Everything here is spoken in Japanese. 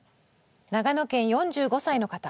長野県４５歳の方。